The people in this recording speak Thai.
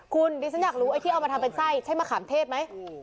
คุณดิฉันอยากรู้ไอ้ที่เอามาทำเป็นไส้ใช่มะขามเทศไหม